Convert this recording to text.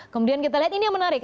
kemudian kita lihat ini yang menarik